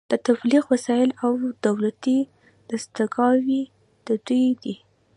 د تبلیغ وسایل او دولتي دستګاوې د دوی دي